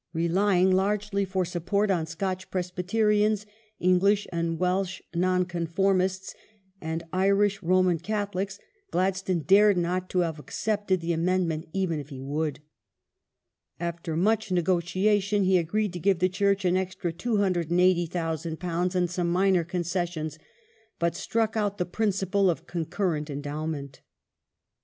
Relying largely for support on Scotch Presbyterians, English and Welsh Nonconfor mists, and Irish Roman Catholics, Gladstone dared not have ac cepted the amendment even if he would. After much negotiation he agreed to give the Church an extra £280,000 and some minor concessions, but struck out the principle of concurrent endowment.